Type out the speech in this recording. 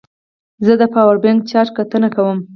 زه د پاور بانک چارج کتنه کوم.